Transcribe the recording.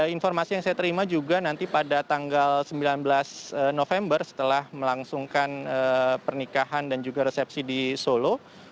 informasi yang saya terima juga nanti pada tanggal sembilan belas november setelah melangsungkan pernikahan dan juga resepsi di solo